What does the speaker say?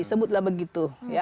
sebutlah begitu ya